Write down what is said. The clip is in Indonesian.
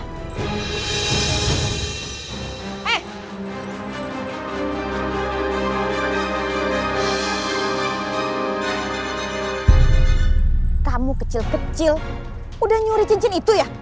hai kamu kecil kecil sudah nyuri cincin itu ya